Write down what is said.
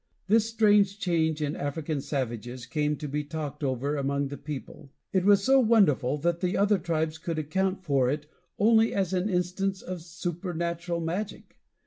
This strange change in African savages came to be talked over among the people. It was so wonderful that the other tribes could account for it only as an instance of supernatural magic.